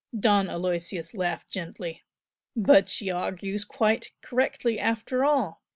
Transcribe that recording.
Don Aloysius laughed gently. "But she argues quite correctly after all!